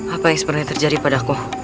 apa yang sebenarnya terjadi padaku